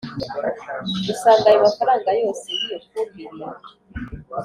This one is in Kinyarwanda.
dusanga ayo mafaranga yose y’iyo fumbire